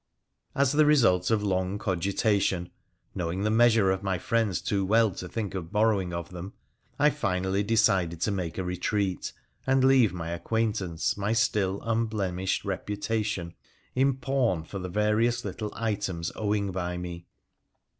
As the result of long cogitation — knowing the measure of my friends too well to think of borrowing of them — I finally decided to make a retreat, and leave my acquaintance my still unblemished reputation in pawn for the various little items owing by me.